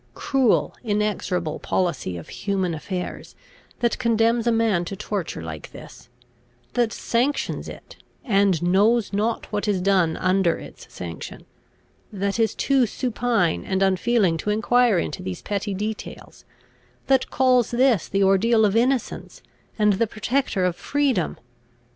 Cruel, inexorable policy of human affairs, that condemns a man to torture like this; that sanctions it, and knows not what is done under its sanction; that is too supine and unfeeling to enquire into these petty details; that calls this the ordeal of innocence, and the protector of freedom!